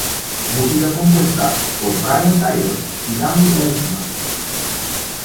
Música compuesta por Brian Tyler y Danny Elfman.